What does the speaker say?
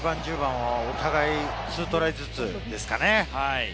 ９番、１０番、お互い２トライずつですかね。